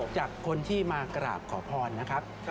จากคนที่มากราบขอพรนะครับ